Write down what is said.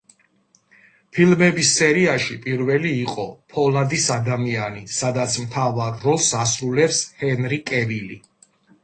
ფილმების სერიაში პირველი იყო „ფოლადის ადამიანი“, სადაც მთავარ როლს ასრულებს ჰენრი კევილი.